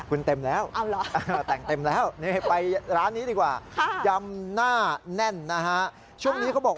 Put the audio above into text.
คุณเต็มแล้วแต่งเต็มแล้วไปร้านนี้ดีกว่ายำหน้าแน่นนะฮะช่วงนี้เขาบอก